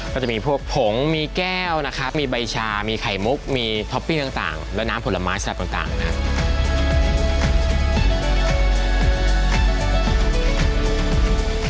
ก็จะมีพวกผงมีแก้วนะครับมีใบชามีไข่มุกมีท็อปปิ้งต่างและน้ำผลไม้สัตว์ต่างนะครับ